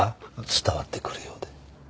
伝わってくるようで。